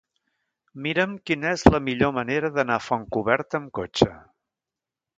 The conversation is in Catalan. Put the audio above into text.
Mira'm quina és la millor manera d'anar a Fontcoberta amb cotxe.